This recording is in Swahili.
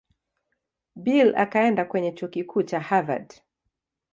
Bill akaenda kwenye Chuo Kikuu cha Harvard.